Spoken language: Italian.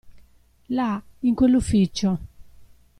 Là, in quell'ufficio.